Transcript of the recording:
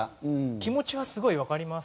気持ちはすごいわかります。